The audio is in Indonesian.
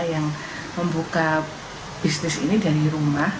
yang membuka bisnis ini dari rumah